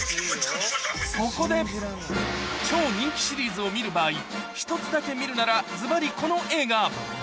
そこで、超人気シリーズを見る場合、１つだけ見るならずばりこの映画。